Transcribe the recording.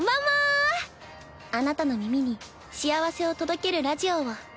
あなたの耳に幸せを届けるラジオを。